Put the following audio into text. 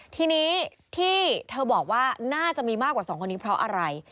ทีนี้ที่เธอบอกว่าน่าจะมีมากกว่า๒คนนี้เพราะอะไร